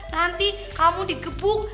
nanti kamu digebuk